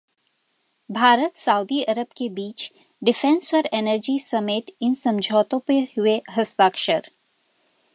भारत-सऊदी Arab के बीच defence और एनर्जी समेत इन समझौतों पर हुए हस्ताक्षर